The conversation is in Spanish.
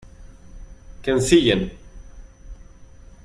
que ensillen.